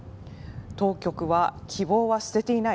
当局は、希望は捨てていない。